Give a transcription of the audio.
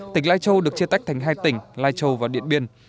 tỉnh lai châu được chia tách thành hai tỉnh lai châu và điện biên